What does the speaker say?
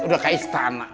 udah kayak istana